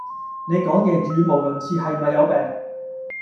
你講野語無倫次係咪有病